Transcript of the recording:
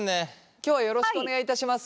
今日はよろしくお願いいたします。